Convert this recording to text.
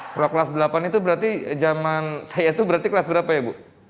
kalau kelas delapan itu berarti zaman saya itu berarti kelas berapa ya bu